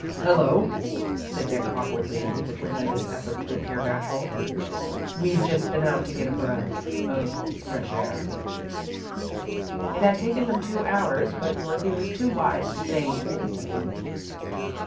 "Hello," said Dick, awkwardly, with a tremendous effort to appear natural, "we've just been out to get a breath of fresh air." It had taken them two hours, but Dorothy was too wise to say anything.